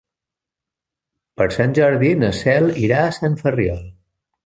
Per Sant Jordi na Cel irà a Sant Ferriol.